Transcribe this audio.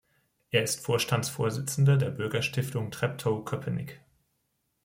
Er ist Vorstandsvorsitzender der Bürgerstiftung Treptow-Köpenick.